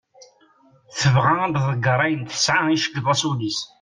Tebɣa ad ḍegger ayen tesɛa iceggeḍ-as ul-is.